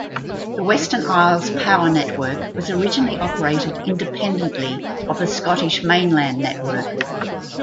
The Western Isles power network was originally operated independently of the Scottish mainland network.